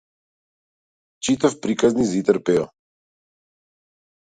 Читав приказни за Итар Пејо.